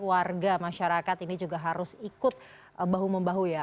warga masyarakat ini juga harus ikut bahu membahu ya